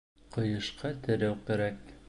Ҡыйышҡа терәү кәрәк.